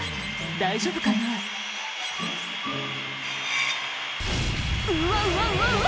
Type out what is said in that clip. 大丈夫かなうわうわうわ